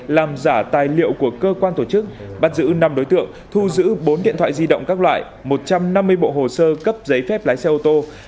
làm giả tài liệu của cơ quan tổ chức bắt giữ năm đối tượng thu giữ bốn điện thoại di động các loại một trăm năm mươi bộ hồ sơ cấp giấy phép lái xe ô tô